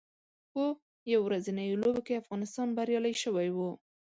په یو ورځنیو لوبو کې افغانستان بریالی شوی و